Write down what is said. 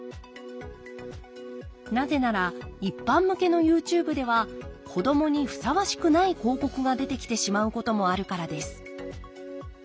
なぜなら一般向けのＹｏｕＴｕｂｅでは子どもにふさわしくない広告が出てきてしまうこともあるからです。